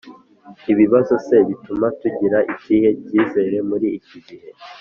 Ibibazo se bituma tugira ikihe cyizere muri iki gihe